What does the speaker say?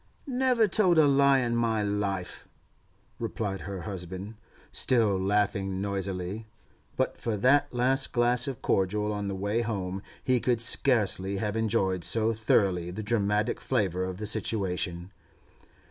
'Never told a lie in my life,' replied her husband, still laughing noisily. But for that last glass of cordial on the way home he could scarcely have enjoyed so thoroughly the dramatic flavour of the situation.